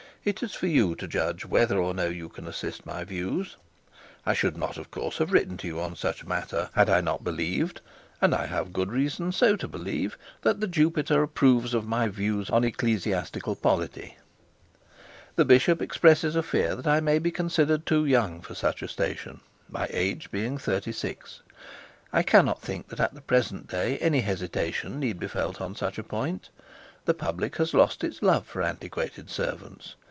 It is for you to judge whether or no you can assist my views. I should not, of course, have written to you on such a matter had I not believed (and I have had good reason so to believe) that the Jupiter approves of my views on ecclesiastical polity. 'The bishop expresses a fear that I may be considered too young for such a station, my age being thirty six. I cannot think that at the present day any hesitation need be felt on such a point. The public has lost its love for antiquated servants.